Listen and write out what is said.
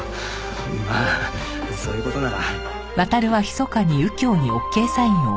まあそういう事なら。